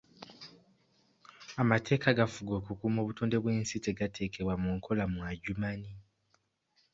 Amateeka agafuga okukuuma obutonde bw'ensi tegateekebwa mu nkola mu Adjumani.